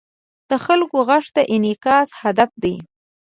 د خلکو غږ ته انعکاس هدف دی.